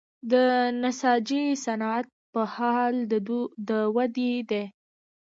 د نساجي صنعت په حال د ودې دی